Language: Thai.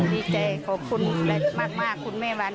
ดีใจขอบคุณมากคุณแม่วัน